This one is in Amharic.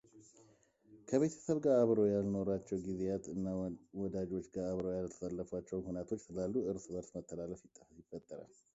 ከቤተሰብ ጋር አብረው ያልኖሯቸው ጊዜያት እና ከወዳጆች ጋር አብረው ያላሳለፏቸው ኹነቶች ስላሉ እርስበርስ መተላለፍ ይፈጠራል።